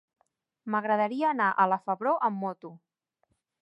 M'agradaria anar a la Febró amb moto.